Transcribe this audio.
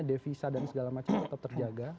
devisa dan segala macam tetap terjaga